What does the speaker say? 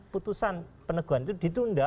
putusan peneguhan itu ditunda